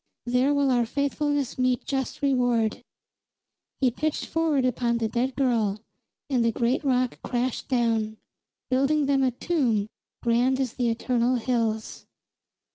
There will our faithfulness meet just reward!" He pitched forward upon the dead girl, and the great rock crashed down, building them a tomb grand as the eternal hills.